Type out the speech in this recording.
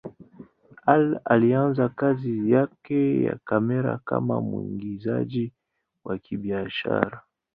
Hall alianza kazi yake ya kamera kama mwigizaji wa kibiashara.